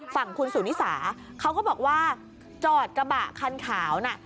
ฝั่งคุณสุนิสาเขาก็บอกว่าจอดกระบะคันขาวน่ะ